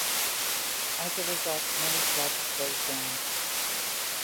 As a result, many clubs closed down.